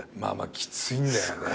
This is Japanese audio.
きついんだよね。